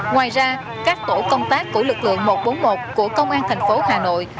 ngoài ra các tổ công tác của lực lượng một trăm bốn mươi một của công an thành phố hà nội